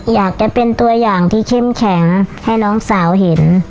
อยากจะเป็นตัวอย่างที่เข้มแข็งให้น้องสาวเห็น